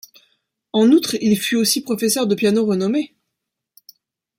En outre il fut aussi professeur de piano renommé.